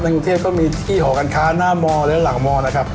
แล้วนึงเทพก็มีที่หอการค้าหน้าโม้หรือหลังโม้นะครับ